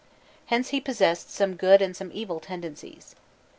Hence he possessed some good and some evil tendencies.